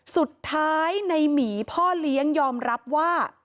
สุดท้ายในหมีพ่อเลี้ยงยอมรับว่า